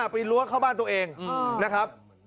ล้วเข้าบ้านตัวเองนะครับ